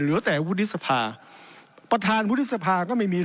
เหลือแต่พุทธธิสภาประธานพุทธธิสภาก็ไม่มี